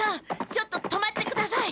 ちょっと止まってください！